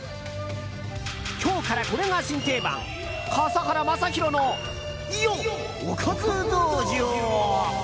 今日からこれが新定番笠原将弘のおかず道場！